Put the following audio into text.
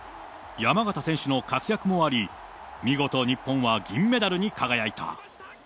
山縣選手の活躍もあり、見事日本は銀メダルに輝いた。